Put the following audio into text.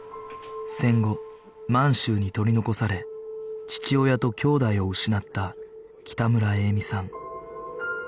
戦後満州に取り残され父親ときょうだいを失った北村栄美さん